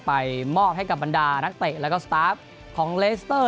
ไปมอบให้กับบรรดานักเตะแล้วก็สตาฟของเลสเตอร์